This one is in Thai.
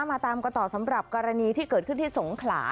มาตามกันต่อสำหรับกรณีที่เกิดขึ้นที่สงขลา